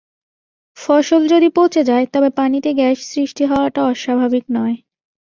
ফসল যদি পচে যায়, তবে পানিতে গ্যাস সৃষ্টি হওয়াটা অস্বাভাবিক নয়।